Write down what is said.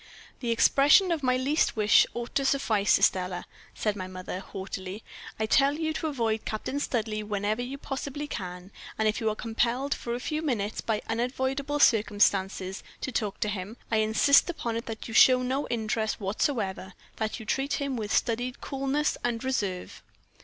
"'The expression of my least wish ought to suffice, Estelle,' said my mother, haughtily. 'I tell you to avoid Captain Studleigh whenever you possibly can; and if you are compelled for a few minutes, by unavoidable circumstances, to talk to him, I insist upon it that you show no interest whatever that you treat him with studied coolness and reserve.'